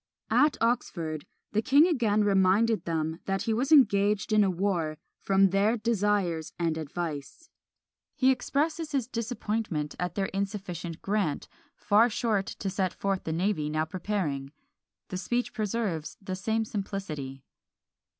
At Oxford the king again reminded them that he was engaged in a war "from their desires and advice." He expresses his disappointment at their insufficient grant, "far short to set forth the navy now preparing." The speech preserves the same simplicity.